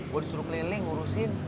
gua disuruh meleleh ngurusin